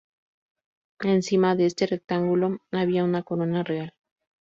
Encima de este rectángulo, había una corona real.